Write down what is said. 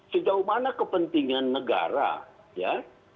sejauh mana kepentingan negara ya